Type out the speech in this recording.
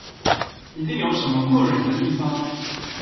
一定有什麼過人的地方